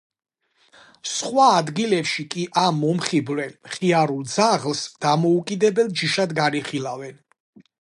სხვა ადგილებში კი ამ მომხიბვლელ, მხიარულ ძაღლს დამოუკიდებელ ჯიშად განიხილავენ.